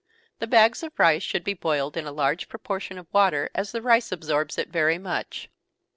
The bags of rice should be boiled in a large proportion of water, as the rice absorbs it very much.